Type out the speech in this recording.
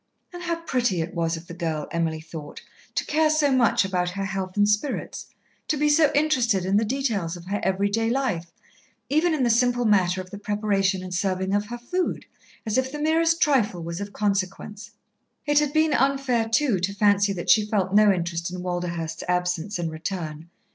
And how pretty it was of the girl, Emily thought, to care so much about her health and her spirits, to be so interested in the details of her every day life, even in the simple matter of the preparation and serving of her food, as if the merest trifle was of consequence. It had been unfair, too, to fancy that she felt no interest in Walderhurst's absence and return.